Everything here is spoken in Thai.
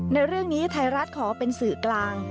ในเรื่องนี้ไทยรัฐขอเป็นสื่อกลาง